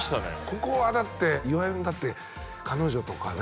ここはだって岩井のだって彼女とかね